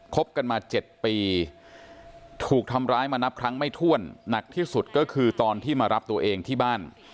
บกันมา๗ปีถูกทำร้ายมานับครั้งไม่ถ้วนหนักที่สุดก็คือตอนที่มารับตัวเองที่บ้าน